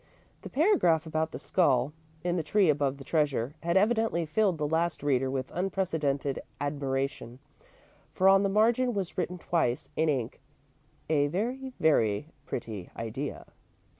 The paragraph about the skull, in the tree above the treasure, had evidently filled the last reader with unprecedented admiration, for on the margin was written twice, in ink: "A very, very pretty idea."